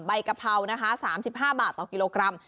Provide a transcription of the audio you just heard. ใบกะเภานะคะสามสิบห้าบาทต่อกิโลกรัม